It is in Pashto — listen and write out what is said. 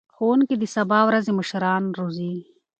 ښوونکي د سبا ورځې مشران روزي.